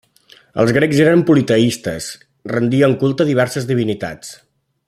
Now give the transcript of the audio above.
Els grecs eren politeistes: rendien culte a diverses divinitats.